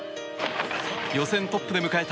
予選トップで迎えた